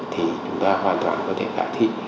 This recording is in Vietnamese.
thì chúng ta hoàn toàn có thể khả thi